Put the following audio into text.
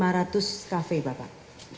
lima ratus kafe bapak